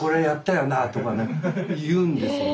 言うんですよね。